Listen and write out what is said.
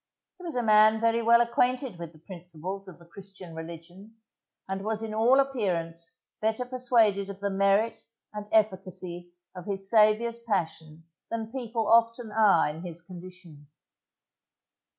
He was a man very well acquainted with the principles of the Christian religion, and was in all appearance better persuaded of the merit and efficacy of his Saviour's passion than people often are in his condition.